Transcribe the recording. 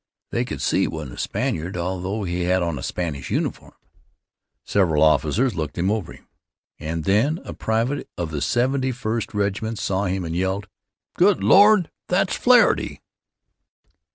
They could see he wasn't a Spaniard, although he had on a Spanish uniform. Several officers looked him over, and then a private of the Seventy first Regiment saw him and yelled, "Good Lord, that's Flaherty."